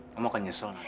kamu akan nyesel